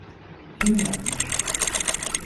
Kim yapmış?